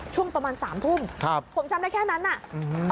ช่วงประมาณสามทุ่มครับผมจำได้แค่นั้นน่ะอืม